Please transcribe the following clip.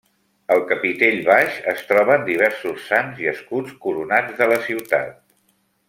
Al capitell baix es troben diversos sants i escuts coronats de la ciutat.